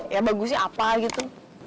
ya bagusnya apa gitu